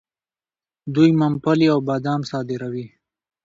دوی ممپلی او بادام صادروي.